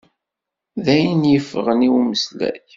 D ayen yeffɣen i umeslay.